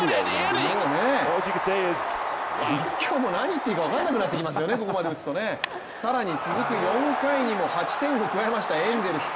実況も何言っていいか分からなくなってきますよね、ここまで打つと更に続く４回にも８点を加えましたエンゼルス。